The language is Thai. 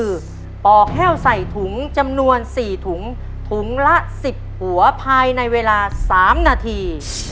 คือปอกแห้วใส่ถุงจำนวน๔ถุงถุงละ๑๐หัวภายในเวลา๓นาที